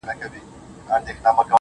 راسه چي زړه ښه درته خالي كـړمـه~